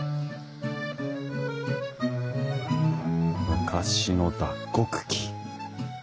昔の脱穀機。